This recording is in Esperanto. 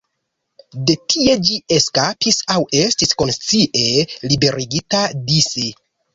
De tie ĝi eskapis aŭ estis konscie liberigita dise.